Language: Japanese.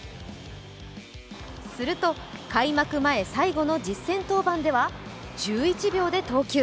すると、開幕前最後の実戦登板では１１秒で投球。